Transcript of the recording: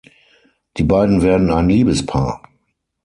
Die beiden werden ein Liebespaar.